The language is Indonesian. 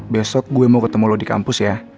besok gue mau ketemu lo di kampus ya